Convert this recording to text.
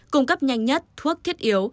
cung cấp nhanh nhất thuốc thiết yếu